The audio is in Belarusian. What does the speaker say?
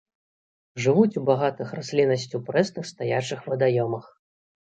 Жывуць у багатых расліннасцю прэсных стаячых вадаёмах.